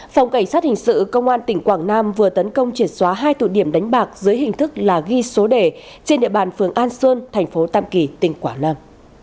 phòng cảnh sát hình sự công an tỉnh quảng nam vừa tấn công triệt xóa hai tụ điểm đánh bạc dưới hình thức là ghi số đề trên địa bàn phường an sơn thành phố tam kỳ tỉnh quảng nam